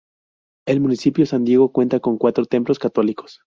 El municipio San Diego cuenta con cuatro Templos Católicos.